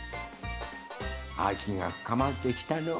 あきがふかまってきたのう。